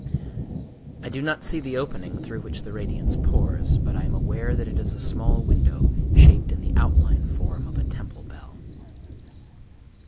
I do not see the opening through which the radiance pours, but I am aware that it is a small window shaped in the outline form of a temple bell.